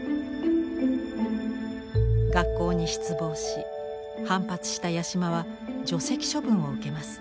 学校に失望し反発した八島は除籍処分を受けます。